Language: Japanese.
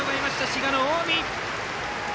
滋賀・近江。